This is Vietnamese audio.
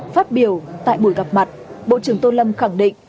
phát biểu tại buổi gặp mặt bộ trưởng tô lâm khẳng định